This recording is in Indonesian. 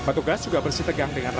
hai petugas juga bersih tegang dengan